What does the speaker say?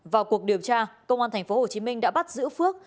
vào cuộc điều tra công an tp hcm đã bắt giữ phước